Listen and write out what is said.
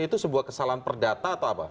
itu sebuah kesalahan perdata atau apa